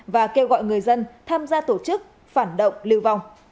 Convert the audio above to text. và kêu gọi người dân tham gia tổ chức phản động lưu vong